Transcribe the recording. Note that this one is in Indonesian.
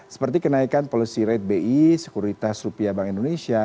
seperti kenaikan policy rate bi sekuritas rupiah bank indonesia